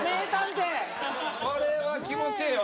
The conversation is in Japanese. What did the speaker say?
これは気持ちええわ。